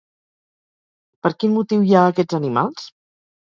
Per quin motiu hi ha aquests animals?